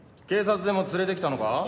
警察でも連れてきたのか？